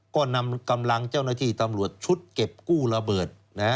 ก็นำกำลังเจ้าหน้าที่ตำรวจชุดเก็บกู้ระเบิด